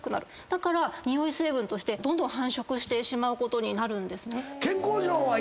だからにおい成分としてどんどん繁殖してしまうことになるんですね。